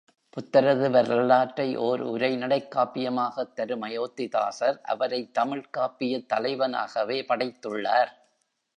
புத்தரது வரலாற்றை ஓர் உரைநடைக்காப்பியமாகத் தரும் அயோத்திதாசர் அவரைத் தமிழ்க் காப்பியத் தலைவனாகவே படைத்துள்ளார்.